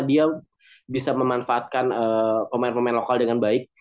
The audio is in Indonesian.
dia bisa memanfaatkan pemain pemain lokal dengan baik